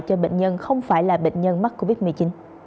cho bệnh nhân không phải là bệnh nhân mắc covid một mươi chín